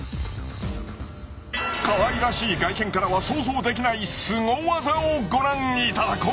かわいらしい外見からは想像できないスゴ技をご覧いただこう！